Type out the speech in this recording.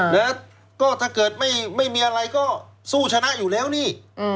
แล้วก็ถ้าเกิดไม่มีอะไรก็สู้ชนะอยู่แล้วนี่